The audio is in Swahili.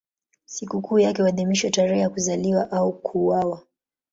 Sikukuu yake huadhimishwa tarehe yake ya kuzaliwa au ya kuuawa.